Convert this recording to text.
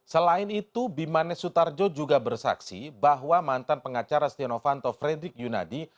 selain itu bimanes sutarjo juga bersaksi bahwa mantan pengacara setia novanto fredrik yunadi